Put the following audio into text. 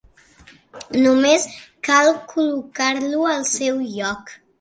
Només cal col·locar-lo al seu lloc.